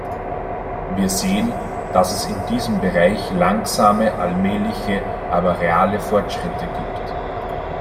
Wir sehen, dass es in diesem Bereich langsame, allmähliche, aber reale Fortschritte gibt.